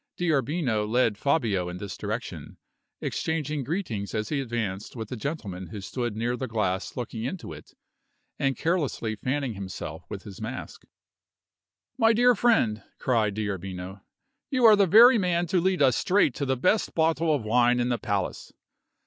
D'Arbino led Fabio in this direction, exchanging greetings as he advanced with a gentleman who stood near the glass looking into it, and carelessly fanning himself with his mask. "My dear friend!" cried D'Arbino, "you are the very man to lead us straight to the best bottle of wine in the palace.